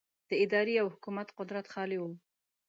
د ادارې او حکومت قدرت خالي و.